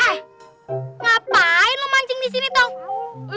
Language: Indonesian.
ngapain lo mancing disini toh